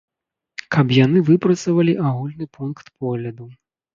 Каб яны выпрацавалі агульны пункт погляду.